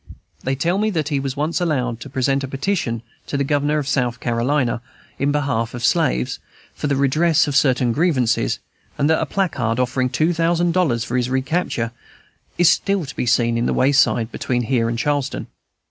They tell me that he was once allowed to present a petition to the Governor of South Carolina in behalf of slaves, for the redress of certain grievances; and that a placard, offering two thousand dollars for his recapture, is still to be seen by the wayside between here and Charleston.